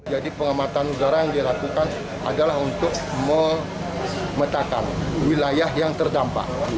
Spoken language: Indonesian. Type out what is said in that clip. jadi pengamatan udara yang dilakukan adalah untuk memetakan wilayah yang terdampak